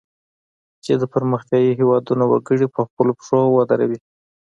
چې د پرمختیایي هیوادونو وګړي په خپلو پښو ودروي.